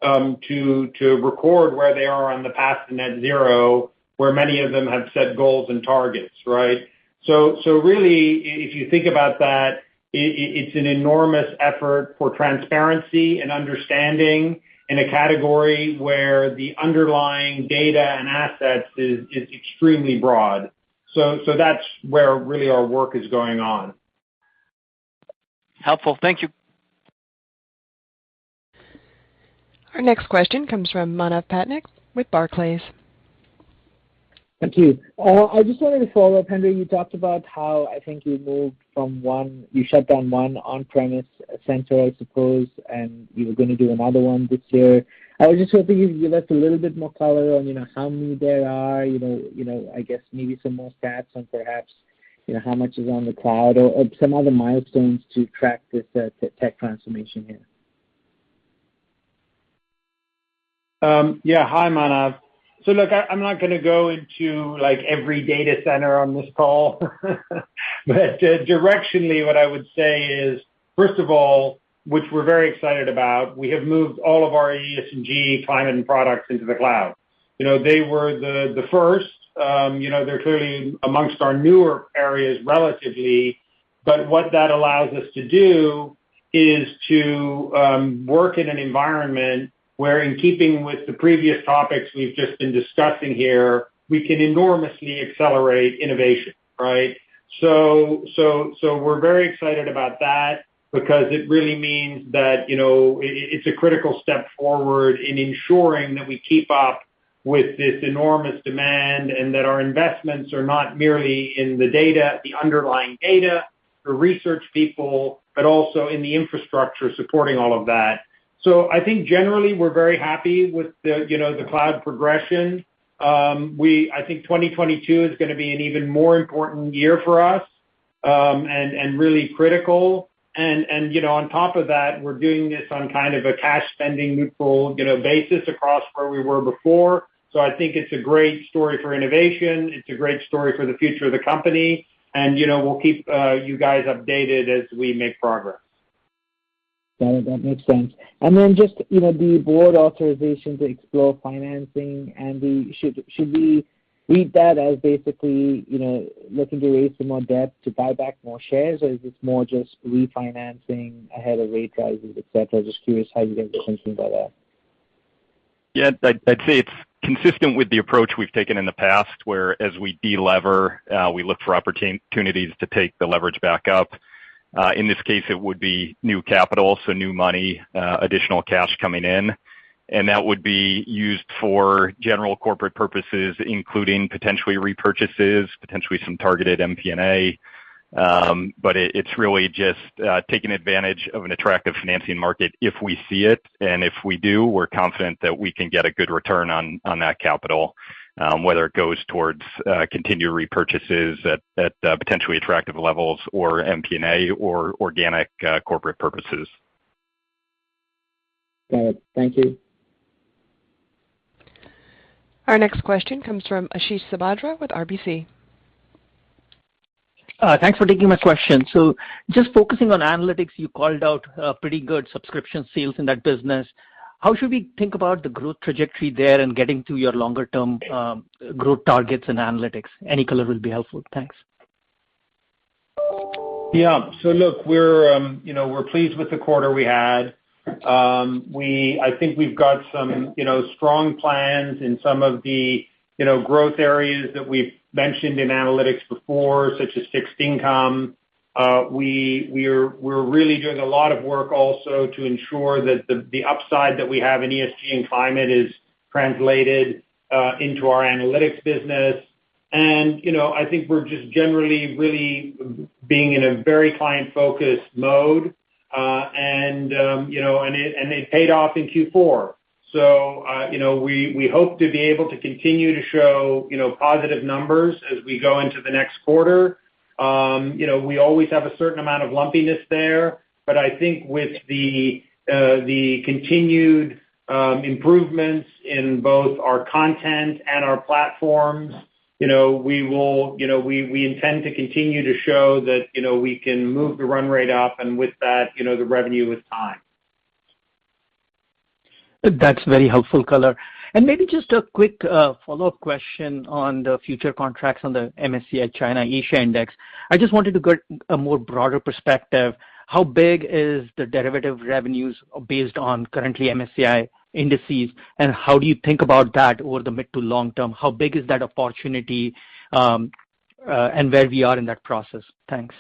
to record where they are on the path to net zero, where many of them have set goals and targets, right? Really, if you think about that, it's an enormous effort for transparency and understanding in a category where the underlying data and assets is extremely broad. That's where really our work is going on. Helpful. Thank you. Our next question comes from Manav Patnaik with Barclays. Thank you. I just wanted to follow up, Henry. You talked about how you shut down one on-premise center, I suppose, and you were gonna do another one this year. I was just hoping you could give us a little bit more color on, you know, how many there are, you know, I guess maybe some more stats on perhaps, you know, how much is on the cloud or some other milestones to track this tech transformation here. Yeah. Hi, Manav. Look, I'm not gonna go into like every data center on this call. Directionally, what I would say is, first of all, which we're very excited about, we have moved all of our ESG climate and products into the cloud. You know, they were the first, you know, they're clearly among our newer areas relatively, but what that allows us to do is to work in an environment where in keeping with the previous topics we've just been discussing here, we can enormously accelerate innovation, right? We're very excited about that because it really means that, you know, it's a critical step forward in ensuring that we keep up with this enormous demand, and that our investments are not merely in the data, the underlying data, the research people, but also in the infrastructure supporting all of that. I think generally we're very happy with the, you know, the cloud progression. I think 2022 is gonna be an even more important year for us, and, you know, on top of that, we're doing this on kind of a cash spending neutral, you know, basis across where we were before. I think it's a great story for innovation. It's a great story for the future of the company. We'll keep you guys updated as we make progress. Got it. That makes sense. Then just, you know, the board authorization to explore financing. Should we read that as basically, you know, looking to raise some more debt to buy back more shares? Or is this more just refinancing ahead of rate rises, et cetera? Just curious how you guys are thinking about that. Yeah. I'd say it's consistent with the approach we've taken in the past, whereas we de-lever, we look for opportunities to take the leverage back up. In this case it would be new capital, so new money, additional cash coming in. That would be used for general corporate purposes, including potentially repurchases, potentially some targeted M&A. It's really just taking advantage of an attractive financing market if we see it. If we do, we're confident that we can get a good return on that capital, whether it goes towards continued repurchases at potentially attractive levels or M&A or organic corporate purposes. Got it. Thank you. Our next question comes from Ashish Sabadra with RBC. Thanks for taking my question. Just focusing on analytics, you called out pretty good subscription sales in that business. How should we think about the growth trajectory there and getting to your longer-term growth targets in analytics? Any color will be helpful. Thanks. Yeah. Look, we're, you know, pleased with the quarter we had. I think we've got some, you know, strong plans in some of the, you know, growth areas that we've mentioned in analytics before, such as fixed income. We're really doing a lot of work also to ensure that the upside that we have in ESG and climate is translated into our analytics business. You know, I think we're just generally really being in a very client-focused mode. It paid off in Q4. We hope to be able to continue to show, you know, positive numbers as we go into the next quarter. You know, we always have a certain amount of lumpiness there, but I think with the continued improvements in both our content and our platforms, you know, we intend to continue to show that, you know, we can move the run rate up and with that, you know, the revenue with time. That's very helpful color. Maybe just a quick follow-up question on the futures contracts on the MSCI China Asia Index. I just wanted to get a more broader perspective. How big is the derivatives revenues based on current MSCI indices, and how do you think about that over the mid- to long-term? How big is that opportunity, and where we are in that process? Thanks.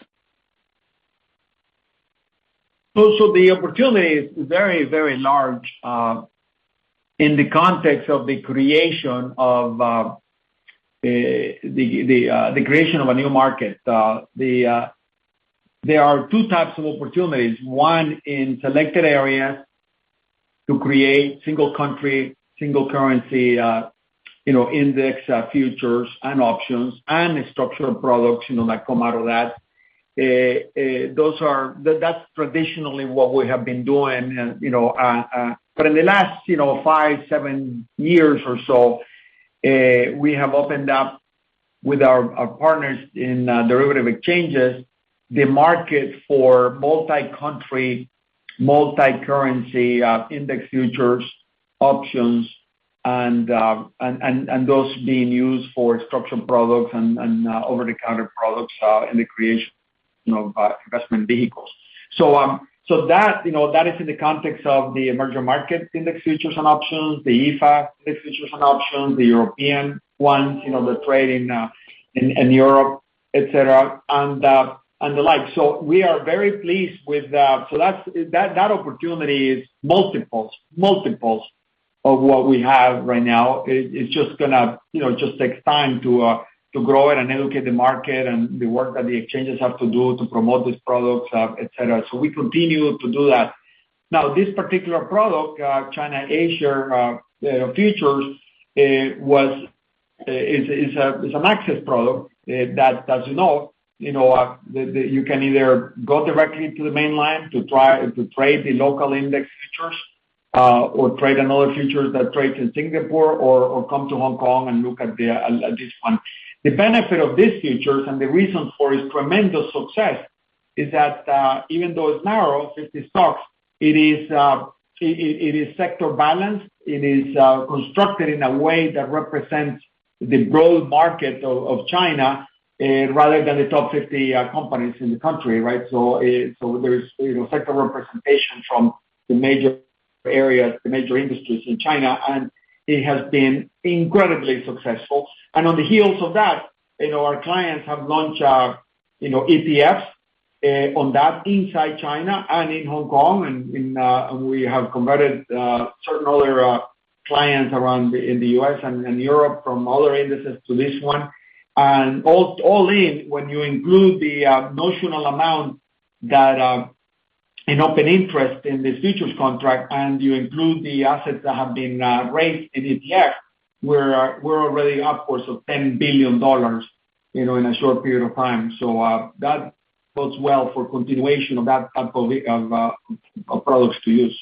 The opportunity is very, very large in the context of the creation of a new market. There are two types of opportunities. One in selected areas to create single country, single currency, you know, index futures and options and structured products, you know, that come out of that. That's traditionally what we have been doing, you know, but in the last, you know, five, seven years or so, we have opened up with our partners in derivative exchanges, the market for multi-country, multi-currency index futures options and those being used for structured products and over-the-counter products in the creation, you know, investment vehicles. That is in the context of the emerging market index futures and options, the EAFE index futures and options, the European ones, you know, the trade in Europe, et cetera, and the like. We are very pleased with that. That opportunity is multiples of what we have right now. It's just gonna, you know, just take time to grow it and educate the market and the work that the exchanges have to do to promote these products, et cetera. We continue to do that. Now, this particular product, China A 50 Futures, it's an access product, that, as you know, you know, the you can either go directly to the mainland to try to trade the local index futures, or trade another futures that trades in Singapore or come to Hong Kong and look at this one. The benefit of these futures and the reason for its tremendous success is that, even though it's narrow, 50 stocks, it is sector balanced, it is constructed in a way that represents the broad market of China, rather than the top 50 companies in the country, right? There's, you know, sector representation from the major areas, the major industries in China, and it has been incredibly successful. On the heels of that, you know, our clients have launched, you know, ETFs on that inside China and in Hong Kong. We have converted certain other clients in the U.S. and Europe from other indices to this one. All in, when you include the notional amount that in open interest in the futures contract, and you include the assets that have been raised in ETF, we're already upwards of $10 billion, you know, in a short period of time. That bodes well for continuation of that type of products to use.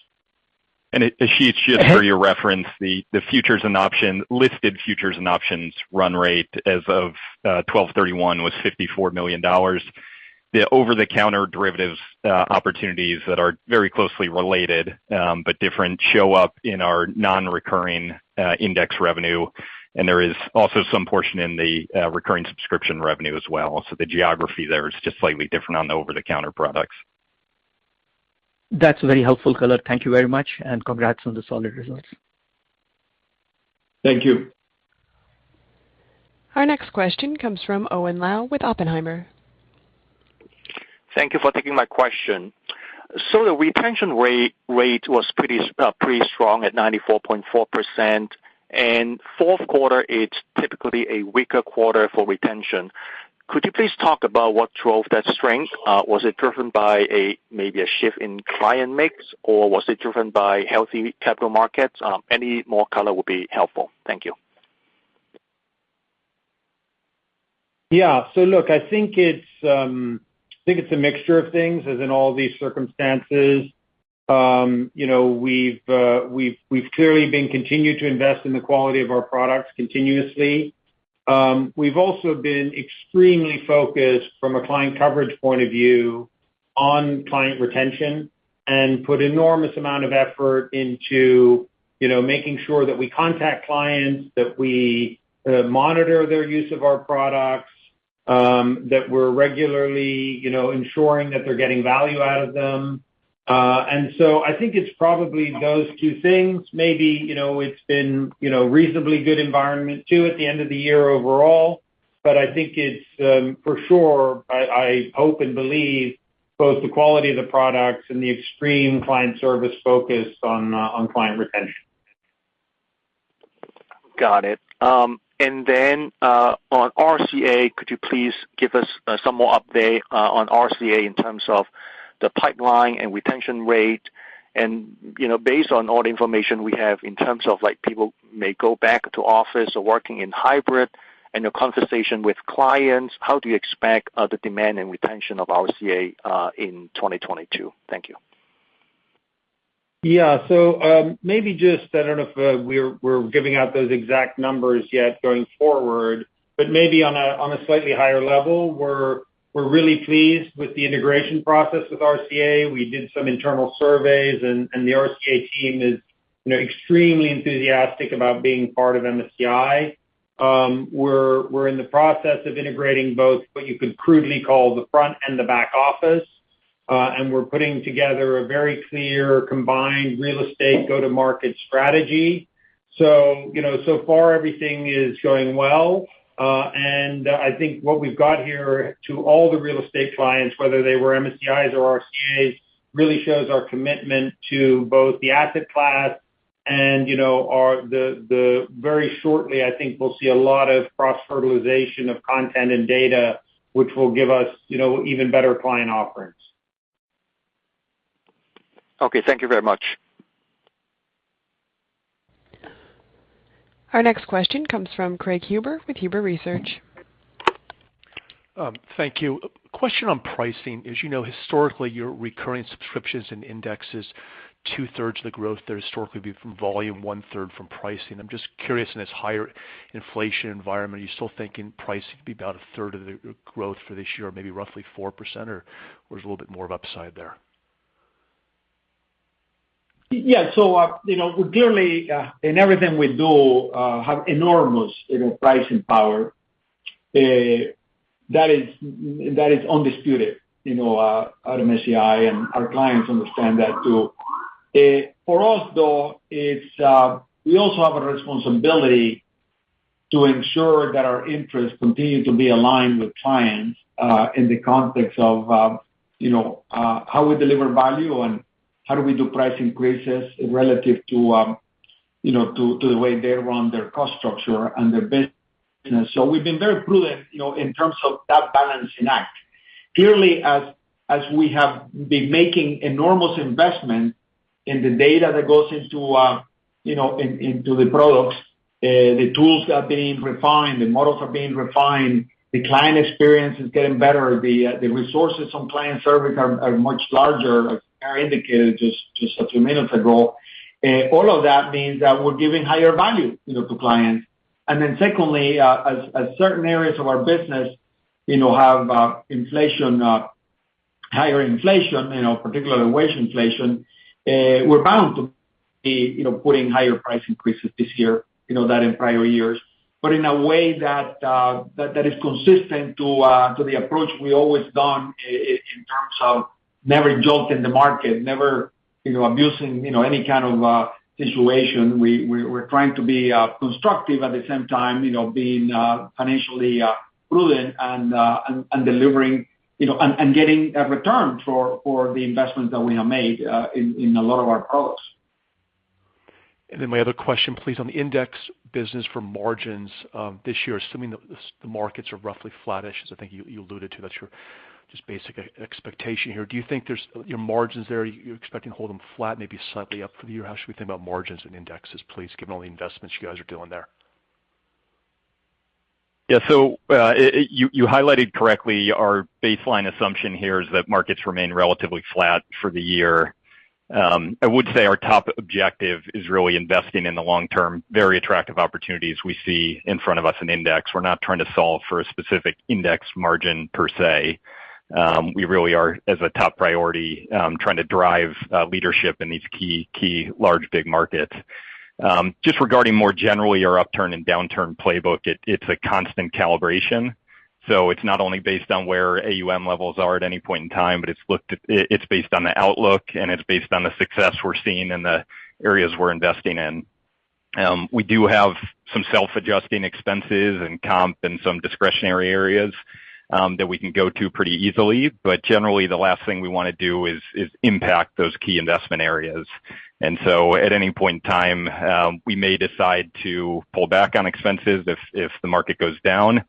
Ashish- Uh-huh. Just for your reference, the futures and options run rate as of 12/31 was $54 million. The over-the-counter derivatives opportunities that are very closely related, but different show up in our non-recurring index revenue. There is also some portion in the recurring subscription revenue as well. The geography there is just slightly different on the over-the-counter products. That's very helpful, color. Thank you very much, and congrats on the solid results. Thank you. Our next question comes from Owen Lau with Oppenheimer. Thank you for taking my question. The retention rate was pretty strong at 94.4%, and fourth quarter, it's typically a weaker quarter for retention. Could you please talk about what drove that strength? Was it driven by maybe a shift in client mix, or was it driven by healthy capital markets? Any more color would be helpful. Thank you. Yeah. Look, I think it's a mixture of things, as in all these circumstances. You know, we've clearly been continuing to invest in the quality of our products continuously. We've also been extremely focused from a client coverage point of view on client retention and put enormous amount of effort into, you know, making sure that we contact clients, that we monitor their use of our products, that we're regularly, you know, ensuring that they're getting value out of them. I think it's probably those two things. Maybe, you know, it's been, you know, reasonably good environment too at the end of the year overall, but I think it's for sure. I hope and believe both the quality of the products and the extreme client service focus on client retention. Got it. On RCA, could you please give us some more update on RCA in terms of the pipeline and retention rate? You know, based on all the information we have in terms of, like, people may go back to office or working in hybrid and your conversation with clients, how do you expect the demand and retention of RCA in 2022? Thank you. Yeah. Maybe just, I don't know if we're giving out those exact numbers yet going forward, but maybe on a slightly higher level, we're really pleased with the integration process with RCA. We did some internal surveys and the RCA team is, you know, extremely enthusiastic about being part of MSCI. We're in the process of integrating both what you could crudely call the front and the back office, and we're putting together a very clear, combined real estate go-to-market strategy. You know, so far everything is going well. I think what we've got here to all the real estate clients, whether they were MSCI's or RCA's, really shows our commitment to both the asset class and, you know, they'll very shortly, I think we'll see a lot of cross-fertilization of content and data, which will give us, you know, even better client offerings. Okay, thank you very much. Our next question comes from Craig Huber with Huber Research. Thank you. Question on pricing. As you know, historically, your recurring subscriptions and index is two-thirds of the growth. They're historically been from volume, one-third from pricing. I'm just curious, in this higher inflation environment, are you still thinking pricing could be about a third of the growth for this year, maybe roughly 4%, or there's a little bit more of upside there? Yeah. You know, we clearly in everything we do have enormous, you know, pricing power. That is undisputed, you know, at MSCI, and our clients understand that too. For us, though, it's we also have a responsibility to ensure that our interests continue to be aligned with clients in the context of, you know, how we deliver value and how do we do price increases relative to, you know, to the way they run their cost structure and their business. We've been very prudent, you know, in terms of that balancing act. Clearly, as we have been making enormous investments and the data that goes into, you know, into the products, the tools are being refined, the models are being refined, the client experience is getting better. The resources from client service are much larger, as Kara indicated just a few minutes ago. All of that means that we're giving higher value, you know, to clients. Then secondly, as certain areas of our business, you know, have higher inflation, you know, particularly wage inflation, we're bound to be, you know, putting higher price increases this year, you know, than in prior years. In a way that is consistent to the approach we always done in terms of never jolting the market, never, you know, abusing, you know, any kind of situation. We're trying to be constructive, at the same time, you know, being financially prudent and delivering, you know, and getting a return for the investments that we have made in a lot of our products. My other question, please, on the index business for margins, this year, assuming that the markets are roughly flattish, as I think you alluded to, that's just your basic expectation here. Your margins there, you're expecting to hold them flat, maybe slightly up for the year? How should we think about margins and indexes, please, given all the investments you guys are doing there? Yeah. You highlighted correctly our baseline assumption here is that markets remain relatively flat for the year. I would say our top objective is really investing in the long term, very attractive opportunities we see in front of us in index. We're not trying to solve for a specific index margin per se. We really are, as a top priority, trying to drive leadership in these key large, big markets. Just regarding more generally our upturn and downturn playbook, it's a constant calibration. It's not only based on where AUM levels are at any point in time, but it's looked at. It's based on the outlook, and it's based on the success we're seeing in the areas we're investing in. We do have some self-adjusting expenses and comp in some discretionary areas that we can go to pretty easily. Generally, the last thing we wanna do is impact those key investment areas. At any point in time, we may decide to pull back on expenses if the market goes down.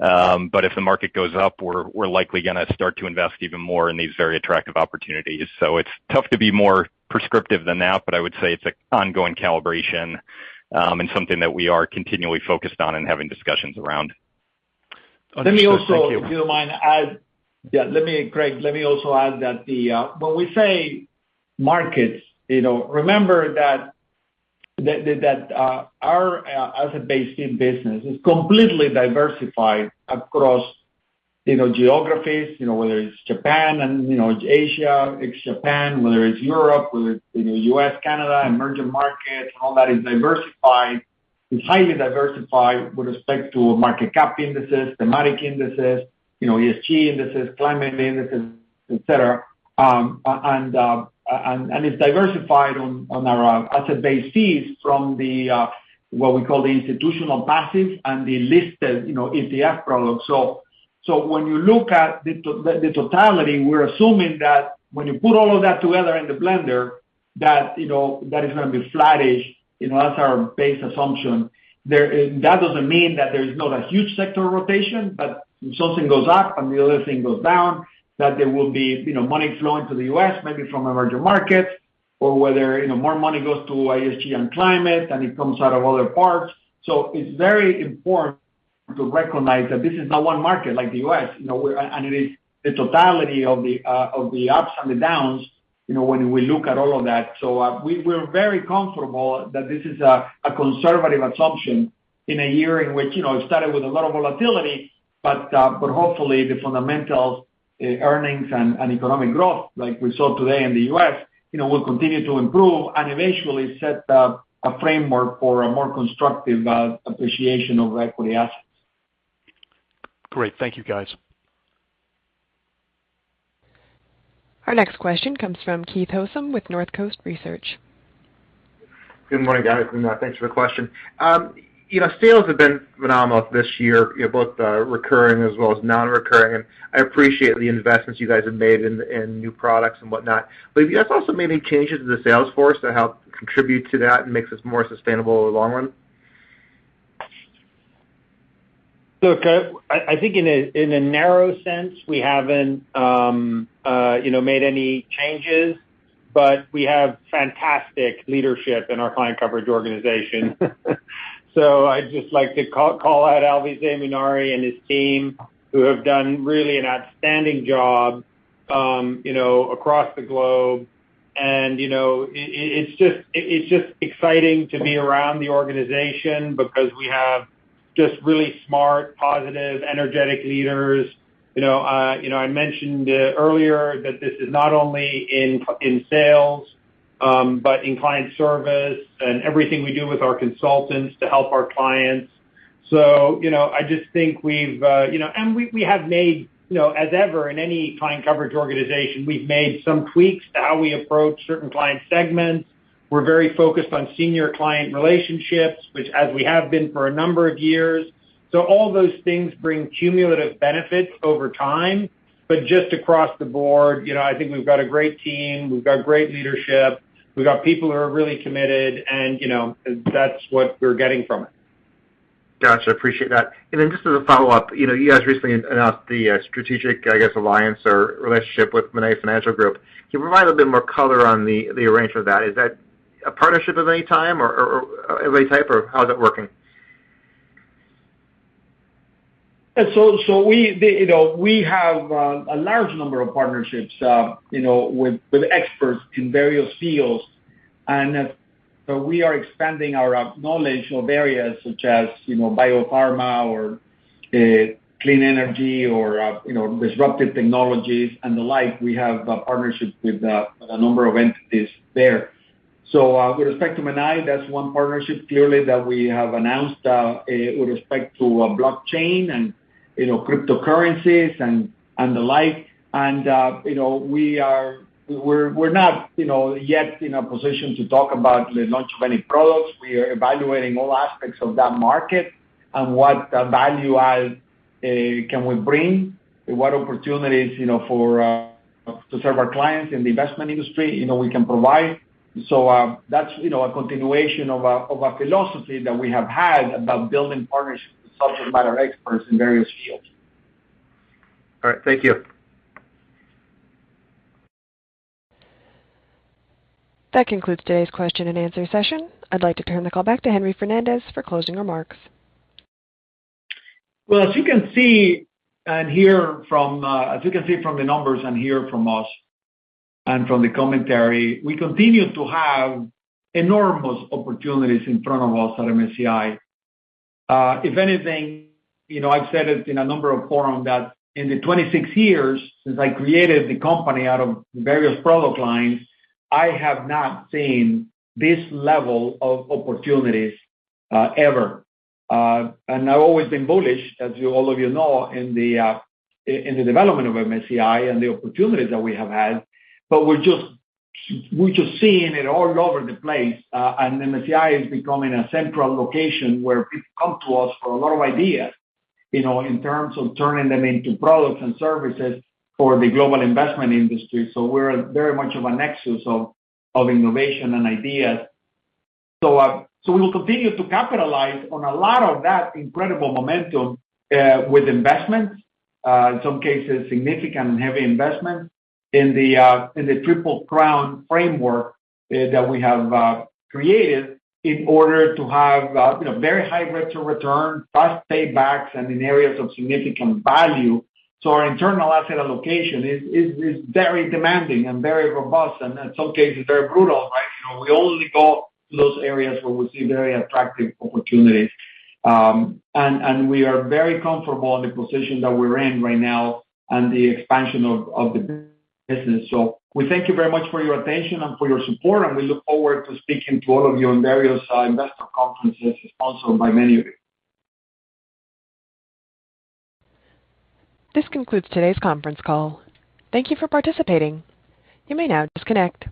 If the market goes up, we're likely gonna start to invest even more in these very attractive opportunities. It's tough to be more prescriptive than that, but I would say it's an ongoing calibration, and something that we are continually focused on and having discussions around. Understood. Thank you. Let me also add, Craig, that when we say markets, you know, remember that our asset-based fee business is completely diversified across, you know, geographies, you know, whether it's Japan and, you know, it's Asia, it's Japan, whether it's Europe, whether it's, you know, U.S., Canada, emerging markets, all that is diversified. It's highly diversified with respect to market cap indices, thematic indices, you know, ESG indices, climate indices, et cetera. It's diversified on our asset-based fees from what we call the institutional passive and the listed, you know, ETF products. When you look at the totality, we're assuming that when you put all of that together in the blender, that, you know, that is gonna be flattish, you know, that's our base assumption. That doesn't mean that there's not a huge sector rotation, but if something goes up and the other thing goes down, that there will be, you know, money flowing to the U.S., maybe from emerging markets, or whether, you know, more money goes to ESG and climate, and it comes out of other parts. It's very important to recognize that this is not one market like the U.S., you know, we're. It is the totality of the ups and the downs, you know, when we look at all of that. We're very comfortable that this is a conservative assumption in a year in which, you know, it started with a lot of volatility, but hopefully the fundamentals, earnings and economic growth like we saw today in the U.S., you know, will continue to improve and eventually set a framework for a more constructive appreciation of equity assets. Great. Thank you, guys. Our next question comes from Keith Housum with Northcoast Research. Good morning, guys, and thanks for the question. You know, sales have been phenomenal this year, you know, both recurring as well as non-recurring, and I appreciate the investments you guys have made in new products and whatnot. Have you guys also made any changes to the sales force to help contribute to that and makes this more sustainable in the long run? Look I think in a narrow sense we haven't you know made any changes but we have fantastic leadership in our client coverage organization. I'd just like to call out Alvise Munari and his team who have done really an outstanding job you know across the globe. You know it's just exciting to be around the organization because we have just really smart positive energetic leaders. You know I mentioned earlier that this is not only in sales but in client service and everything we do with our consultants to help our clients. You know I just think we've you know. We have made you know as ever in any client coverage organization we've made some tweaks to how we approach certain client segments. We're very focused on senior client relationships, which as we have been for a number of years. All those things bring cumulative benefits over time. Just across the board, you know, I think we've got a great team. We've got great leadership. We've got people who are really committed and, you know, that's what we're getting from it. Gotcha. Appreciate that. Just as a follow-up, you know, you guys recently announced the strategic, I guess, alliance or relationship with Menai Financial Group. Can you provide a bit more color on the arrangement of that? Is that a partnership of any kind or of any type, or how is it working? We have a large number of partnerships, you know, with experts in various fields, and we are expanding our knowledge of areas such as, you know, biopharma or clean energy or you know, disruptive technologies and the like. We have a partnership with a number of entities there. With respect to Menai, that's one partnership clearly that we have announced with respect to blockchain and, you know, cryptocurrencies and the like. You know, we are not yet in a position to talk about the launch of any products. We are evaluating all aspects of that market and what value add can we bring, what opportunities, you know, for to serve our clients in the investment industry, you know, we can provide. That's, you know, a continuation of a philosophy that we have had about building partnerships with subject matter experts in various fields. All right. Thank you. That concludes today's question and answer session. I'd like to turn the call back to Henry Fernandez for closing remarks. As you can see from the numbers and hear from us and from the commentary, we continue to have enormous opportunities in front of us at MSCI. If anything, you know, I've said it in a number of forums that in the 26 years since I created the company out of various product lines, I have not seen this level of opportunities, ever. And I've always been bullish, as you all know, in the development of MSCI and the opportunities that we have had. We're just seeing it all over the place, and MSCI is becoming a central location where people come to us for a lot of ideas, you know, in terms of turning them into products and services for the global investment industry. We're very much of a nexus of innovation and ideas. We will continue to capitalize on a lot of that incredible momentum with investments, in some cases, significant and heavy investments in the Triple Crown framework that we have created in order to have, you know, very high rates of return, fast paybacks, and in areas of significant value. Our internal asset allocation is very demanding and very robust and in some cases very brutal, right? You know, we only go to those areas where we see very attractive opportunities. We are very comfortable in the position that we're in right now and the expansion of the business. We thank you very much for your attention and for your support, and we look forward to speaking to all of you in various investor conferences sponsored by many of you. This concludes today's conference call. Thank you for participating. You may now disconnect.